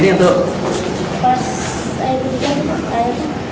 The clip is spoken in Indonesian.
ini juga ya buatnya ini untuk